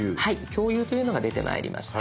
「共有」というのが出てまいりました。